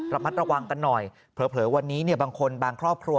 ระมัดระวังกันหน่อยเผลอวันนี้เนี่ยบางคนบางครอบครัว